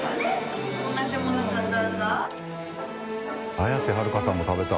綾瀬はるかさんも食べた。